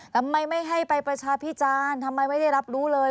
ทำไมไม่ให้ไปประชาพิจารณ์ทำไมไม่ได้รับรู้เลย